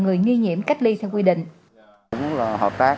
người nghi nhiễm cách ly theo quy định